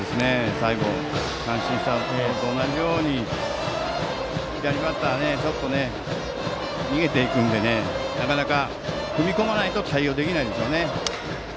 最後、三振したのと同じように左バッターちょっと逃げていくのでなかなか踏み込まないと対応できないですよね。